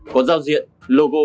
có giao diện logo